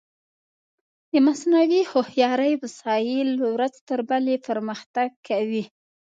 د مصنوعي هوښیارۍ وسایل ورځ تر بلې پرمختګ کوي.